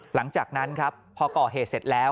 หลังจากนั้นครับพอก่อเหตุเสร็จแล้ว